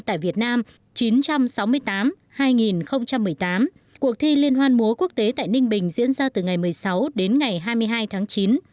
tại việt nam chín trăm sáu mươi tám hai nghìn một mươi tám cuộc thi liên hoan múa quốc tế tại ninh bình diễn ra từ ngày một mươi sáu đến ngày hai mươi hai tháng chín